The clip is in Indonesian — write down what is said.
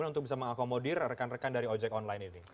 untuk bisa mengakomodir rekan rekan dari ojek online ini